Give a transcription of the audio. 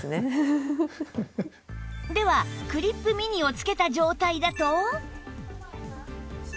ではクリップ・ミニをつけた状態だと